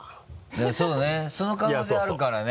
そうねその可能性あるからね。